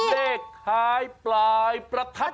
เลขท้ายปลายประทัด